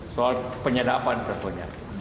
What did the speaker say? soal penyedapan tersebutnya